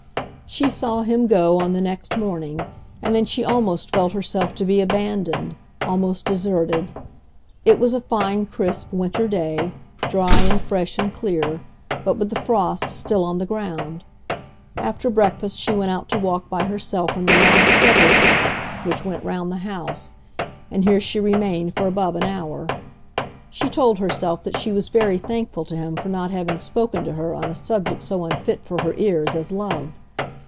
She saw him go on the next morning, and then she almost felt herself to be abandoned, almost deserted. It was a fine crisp winter day, dry and fresh and clear, but with the frost still on the ground. After breakfast she went out to walk by herself in the long shrubbery paths which went round the house, and here she remained for above an hour. She told herself that she was very thankful to him for not having spoken to her on a subject so unfit for her ears as love.